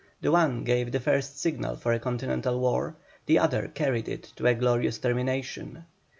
The one gave the first signal for a continental war, the other carried it to a glorious termination.